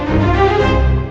nanti kita ke rumah